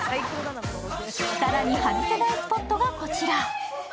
更に外せないスポットがこちら。